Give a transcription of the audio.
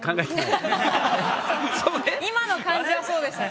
今の感じはそうでした。